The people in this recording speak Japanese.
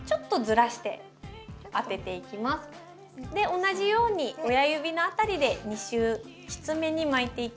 同じように親指の辺りで２周きつめに巻いていきます。